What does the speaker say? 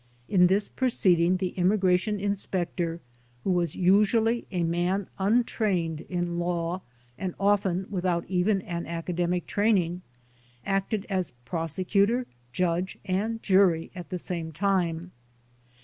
In this proceeding the Immigrant Inspector, who was usually a man untrained in law and often without even an academic training, acted as prosecutor, judge and jury at the same time.